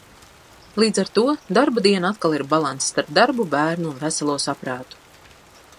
Līdz ar to, darba diena atkal ir balanss starp darbu, bērnu un veselo saprātu.